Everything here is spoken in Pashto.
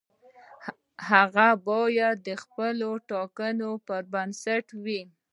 هغه باید د خپلې ټاکنې پر بنسټ وي.